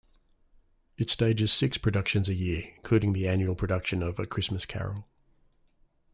It stages six productions a year, including the annual production of "A Christmas Carol".